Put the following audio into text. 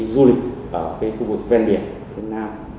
du lịch ở khu vực ven biển